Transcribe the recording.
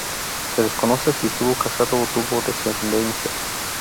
Se desconoce si estuvo casado o tuvo descendencia.